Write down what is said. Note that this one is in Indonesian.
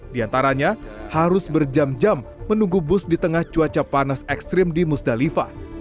di antaranya harus berjam jam menunggu bus di tengah cuaca panas ekstrim di musdalifah